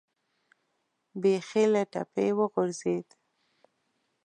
بیخي له ټپې وغورځېد.